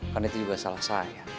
karena itu juga salah saya